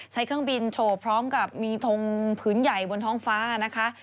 เครื่องบินโชว์พร้อมกับมีทงผืนใหญ่บนท้องฟ้านะคะ